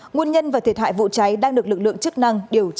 nguồn nhân và thiệt hại vụ cháy đang được lực lượng chức năng điều tra làm rõ